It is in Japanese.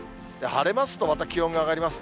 晴れますとまた気温が上がります。